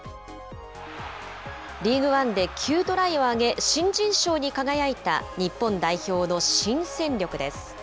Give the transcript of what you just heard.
リーグワンで９トライを挙げ、新人賞に輝いた、日本代表の新戦力です。